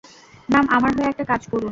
Ma'am আমার হয়ে একটা কাজ করুন।